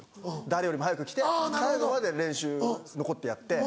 誰よりも早く来て最後まで練習残ってやって。